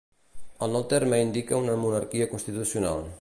El nou terme indica una monarquia constitucional.